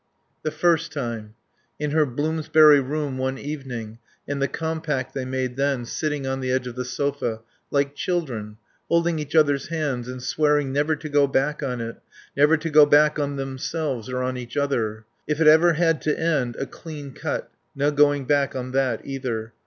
The first time. In her Bloomsbury room, one evening, and the compact they made then, sitting on the edge of the sofa, like children, holding each other's hands and swearing never to go back on it, never to go back on themselves or on each other. If it ever had to end, a clean cut. No going back on that either.